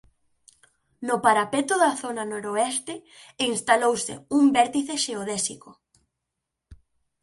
No parapeto da zona noroeste instalouse un vértice xeodésico.